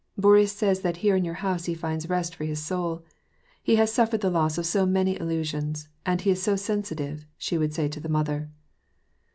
" Boris says that here in your house he finds rest for his soul. He has suffered the loss of so many illusions, and he is 80 sensitive," she would say to the mother.